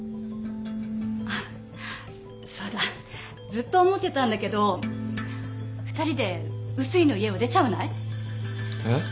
ずっと思ってたんだけど２人で碓井の家を出ちゃわない？えっ？